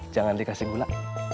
jangan dikasih gula